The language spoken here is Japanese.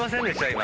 今。